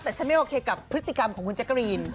แต่ฉันไม่โอเคกับพฤติกรรมของคุณแจ๊กกะรีน